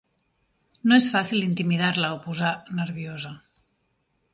No és fàcil intimidar-la o posar nerviosa.